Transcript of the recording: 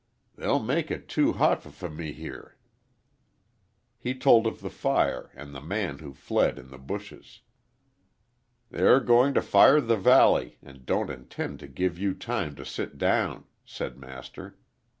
"They'll make it too hot f fer m me here." He told of the fire and the man who fled in the bushes. "They're going to fire the valley, and don't intend to give you time to sit down," said Master.